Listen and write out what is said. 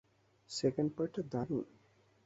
Second পার্টটা দারুণ।